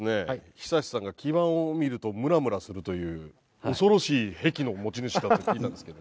ＨＩＳＡＳＨＩさんが基板を見るとムラムラするという恐ろしい癖の持ち主だと聞いたんですけど。